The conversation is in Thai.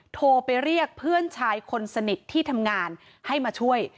โทรไปเรียกเพื่อนชายคนสนิทที่ทำงานให้มาช่วย